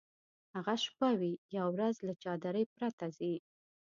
هغه شپه وي یا ورځ له چادرۍ پرته ځي.